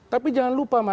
tapi jangan lupa mas